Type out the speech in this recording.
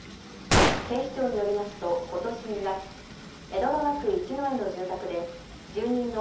警視庁によりますとことし２月、江戸川区一之江の住宅で住人の